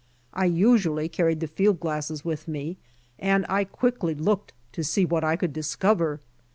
I usu ally carried the field glasses with me and I quickly looked to see what I could discover.